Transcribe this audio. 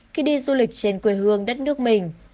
khi đi du lịch trên quê hương đất nước mình